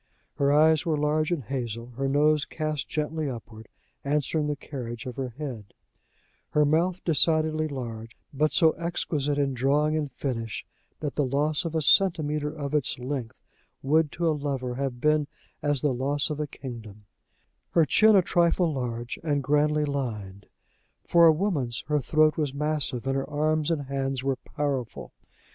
Her eyes were large and hazel; her nose cast gently upward, answering the carriage of her head; her mouth decidedly large, but so exquisite in drawing and finish that the loss of a centimetre of its length would to a lover have been as the loss of a kingdom; her chin a trifle large, and grandly lined; for a woman's, her throat was massive, and her arms and hands were powerful.